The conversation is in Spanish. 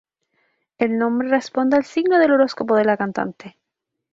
El nombre responde al signo del horóscopo de la cantante.